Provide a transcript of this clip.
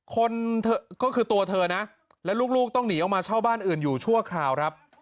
เธอก็คือตัวเธอนะและลูกต้องหนีออกมาเช่าบ้านอื่นอยู่ชั่วคราวครับ